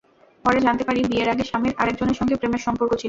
পরে জানতে পারি, বিয়ের আগে স্বামীর আরেকজনের সঙ্গে প্রেমের সম্পর্ক ছিল।